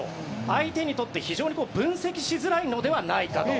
相手にとって非常に分析しづらいのではないかと。